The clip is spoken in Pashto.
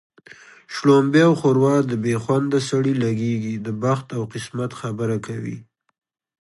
شلومبې او ښوروا د بې خونده سړي لږېږي د بخت او قسمت خبره کوي